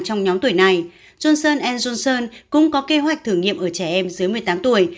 trong nhóm tuổi này johnson en johnson cũng có kế hoạch thử nghiệm ở trẻ em dưới một mươi tám tuổi